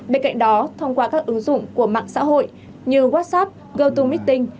bên cạnh đó thông qua các ứng dụng của mạng xã hội như whatsapp gotomeeting